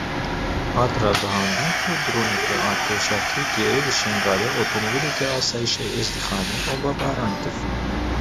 Hat ragihandin ku droneke artêşa Tirkiyeyê li Şingalê otomobîleke Asayîşa Êzîdxanê bomberan kiriye.